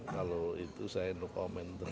kalau itu saya enggak komen